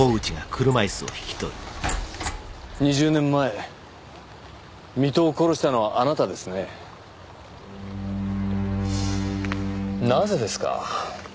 ２０年前水戸を殺したのはあなたですねなぜですか？